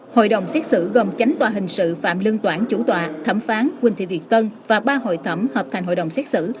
hội đồng xét xử gồm tránh tòa hình sự phạm lương toản chủ tòa thẩm phán quỳnh thị việt tân và ba hội thẩm hợp thành hội đồng xét xử